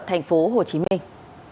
thành phố hồ chí minh